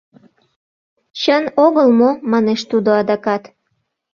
— Чын огыл мо? — манеш тудо адакат.